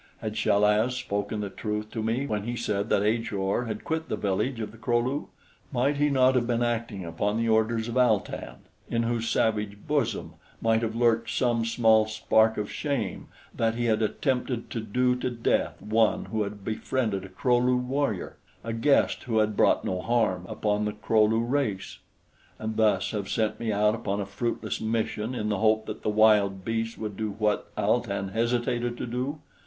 Had Chal az spoken the truth to me when he said that Ajor had quit the village of the Kro lu? Might he not have been acting upon the orders of Al tan, in whose savage bosom might have lurked some small spark of shame that he had attempted to do to death one who had befriended a Kro lu warrior a guest who had brought no harm upon the Kro lu race and thus have sent me out upon a fruitless mission in the hope that the wild beasts would do what Al tan hesitated to do?